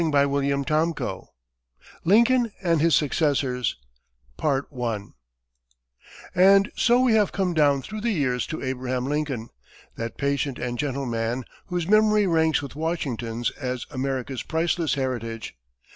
CHAPTER IV LINCOLN AND HIS SUCCESSORS And so we have come down through the years to Abraham Lincoln that patient and gentle man whose memory ranks with Washington's as America's priceless heritage.